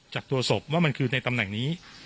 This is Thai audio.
จับตัวศพว่ามันคือในตำแหน่งนี้